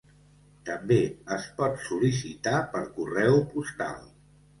També es pot sol·licitar per correu postal.